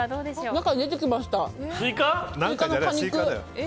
何か出てきました。